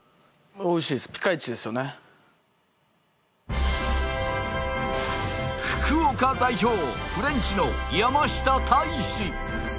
おいしいです福岡代表フレンチの山下泰史